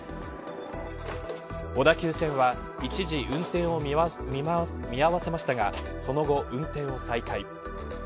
小田急線は、一時運転を見合わせましたがその後、運転を再開。